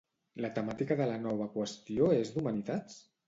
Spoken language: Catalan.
La temàtica de la nova qüestió és d'humanitats?